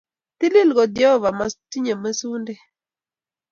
TiIiI kot Jehovah! Matinyei mesundei.